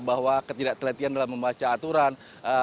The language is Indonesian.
bahwa ketidaktelitian dalam membaca aturan